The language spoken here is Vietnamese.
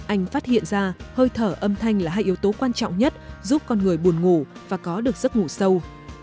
anh phát hiện ra hơi thở âm thanh là hai yếu tố quan trọng nhất giúp con người buồn ngủ và có được giấc ngủ sâu